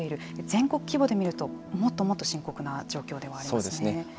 全国規模でみるともっともっと深刻なそうですね。